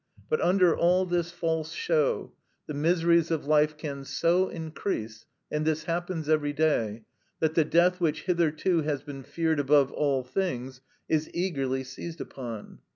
But under all this false show, the miseries of life can so increase—and this happens every day—that the death which hitherto has been feared above all things is eagerly seized upon.